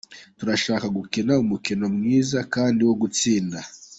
Turashaka gukina umukino mwiza kandi wo gutsinda.